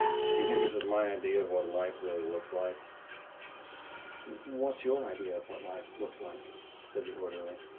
"You think this is my idea of what life really looks like?" "What's your idea of what life looks like?" said the orderly.